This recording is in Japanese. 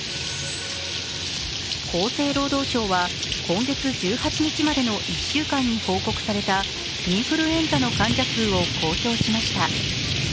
厚生労働省は今月１８日までの１週間に報告されたインフルエンザの患者数を公表しました。